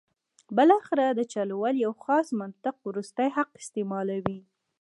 بالاخره د چل ول یو خاص منطق وروستی حق استعمالوي.